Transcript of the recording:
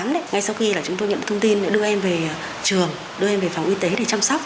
ngay sau khi là chúng tôi nhận thông tin đã đưa em về trường đưa em về phòng y tế để chăm sóc